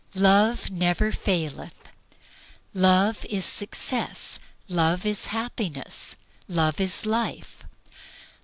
"Love never faileth." Love is success, Love is happiness, Love is life.